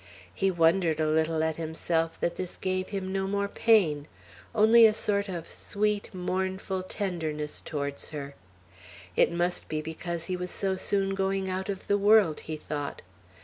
He wondered a little at himself that this gave him no more pain; only a sort of sweet, mournful tenderness towards her. It must be because he was so soon going out of the world, he thought.